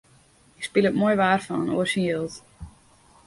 Hy spilet moai waar fan in oar syn jild.